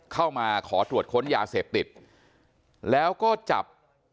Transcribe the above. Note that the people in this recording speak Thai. เข้ามาขอตรวจค้นยาเสพติดแล้วก็จับ